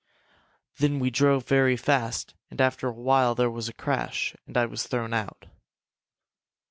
Then we drove very fast and after a while there was a crash, and I was thrown out."